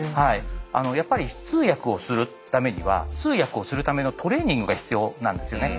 やっぱり通訳をするためには通訳をするためのトレーニングが必要なんですよね。